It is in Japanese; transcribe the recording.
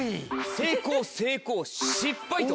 「成功」「成功」「失敗」と。